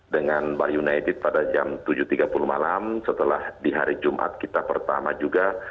dengan mbak united pada jam tujuh tiga puluh malam setelah di hari jumat kita pertama juga